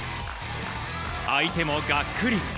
相手もがっくり。